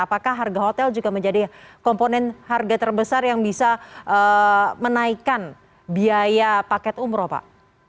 apakah harga hotel juga menjadi komponen harga terbesar yang bisa menaikkan biaya paket umroh pak